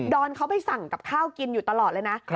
อนเขาไปสั่งกับข้าวกินอยู่ตลอดเลยนะ